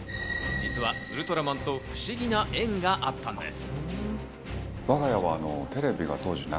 実はウルトラマンと不思議な縁があったんです。